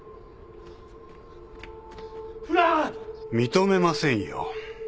認めませんよ。